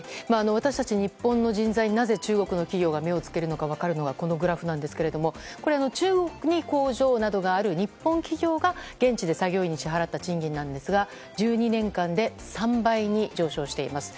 私たち、日本の人材になぜ中国の企業が目をつけるのかが分かるのがこのグラフなんですけれども中国に工場などがある日本企業が現地で作業員に支払った賃金なんですが１２年間で３倍に上昇しています。